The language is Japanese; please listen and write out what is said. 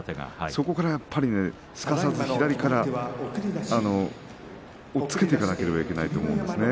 そこから、すかさず押っつけていかなければいけないと思うんですね。